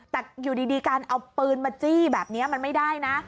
แต่อยู่ดีการเอาปืนมาจี้แบบนี้มันไม่ได้นะ